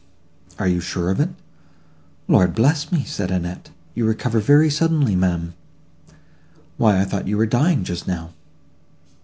"You are sure of it?" "Lord bless me!" said Annette, "you recover very suddenly, ma'am! why, I thought you were dying, just now."